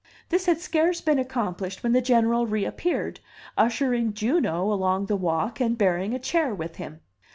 This had scarce been accomplished when the General reappeared, ushering Juno along the walk, and bearing a chair with him.